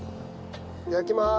いただきまーす。